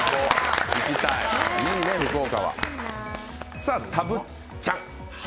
さあ、たぶっちゃん。